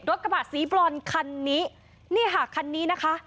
กระบะสีบรอนคันนี้นี่ค่ะคันนี้นะคะ